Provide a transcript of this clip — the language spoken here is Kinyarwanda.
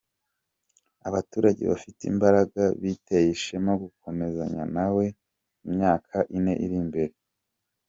Abaturage bafite imbaraga ! Biteye ishema gukomezanya nawe mu myaka ine iri imbere,”.